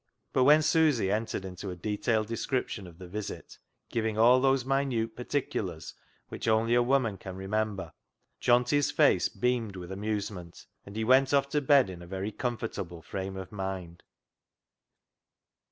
But when Susy entered into a detailed description of the visit, giving all those minute particulars which only a woman can remember, Johnty's face beamed with amusement, and he went off to bed in a very comfortable frame of mind.